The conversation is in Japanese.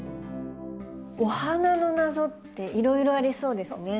お花の謎っていろいろありそうですね。